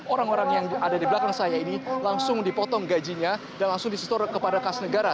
orang orang yang ada di belakang saya ini langsung dipotong gajinya dan langsung disetor kepada kas negara